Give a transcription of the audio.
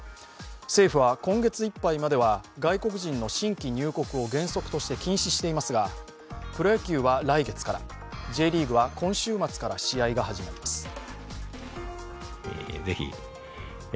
政府は今月いっぱいまで外国人の新規入国を原則として禁止していますが、プロ野球は来月からＪリーグは今週末から試合が始まります。